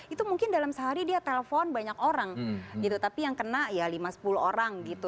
itu mungkin dalam sehari dia telpon banyak orang gitu tapi yang kena ya lima sepuluh orang gitu